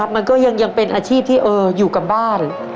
มันก็ยังเป็นอาชีพที่อยู่กับบ้าน